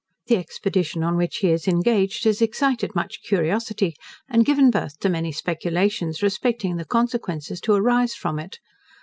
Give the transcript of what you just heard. The expedition on which he is engaged has excited much curiosity, and given birth to many speculations, respecting the consequences to arise from it.